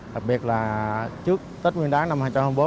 đặc biệt là trước tết nguyên đáng năm hai nghìn bốn